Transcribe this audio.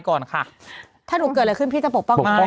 ต้องกดตรงค์ตรงกลับมา